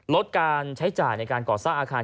ลดการใช้จ่ายในการก่อสร้างอาคาร